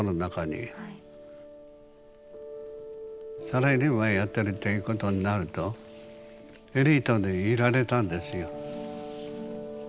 サラリーマンやってるっていうことになるとエリートでいられたんですよ。